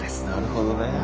なるほどね。